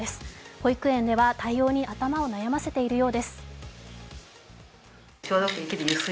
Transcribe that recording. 保育園では対応に頭を悩ませているようです。